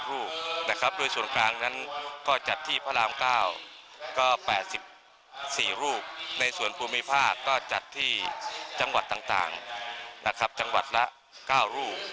ร่วมกันด้วยส่วนกลางนั้นก็จัดที่พระราม๙ก็๘๔รูในส่วนภูมิภาคก็จัดที่จังหวัดต่างจังหวัดละ๙รู